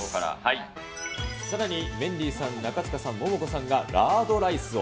さらにメンディーさん、中務さん、モモコさんがラードライスを。